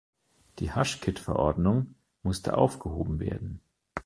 Die Hushkit-Verordnung musste aufgehoben werden.